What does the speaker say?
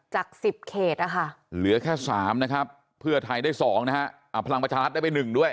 จาก๑๐เขตนะคะเหลือแค่๓นะครับเพื่อไทยได้๒นะฮะพลังประชารัฐได้ไป๑ด้วย